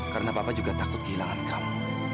karena papa juga takut kehilangan kamu